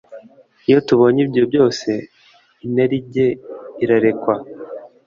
iyo tubonye ibyo byose, inarijye irarekwa.